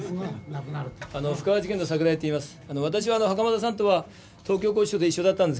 布川事件の桜井と言います。